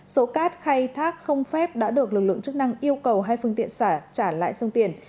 số cát khai thác không phép đã được lực lượng chức năng yêu cầu hai phương tiện xả trả lại sông tiền